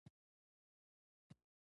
د وليانو او پيغمبرانو د زغم کيسې يې تېرې کړې.